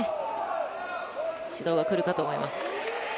指導がくるかと思います。